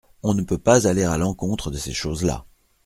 On ne peut pas aller à l'encontre de ces choses-là.